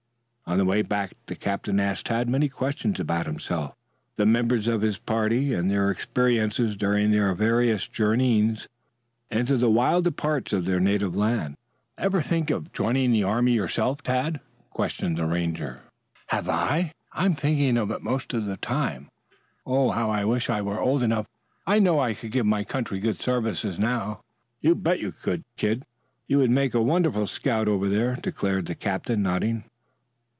On the way back the captain asked Tad many questions about himself, the members of his party and their experiences during their various journeyings into the wilder parts of their native land. "Ever think of joining the army yourself, Tad?" questioned the Ranger. "Have I? I am thinking of it most of the time. Oh how I wish I were old enough. I know I could give my country good services now." "You bet you could, Kid. You would make a wonderful scout over there," declared the captain, nodding.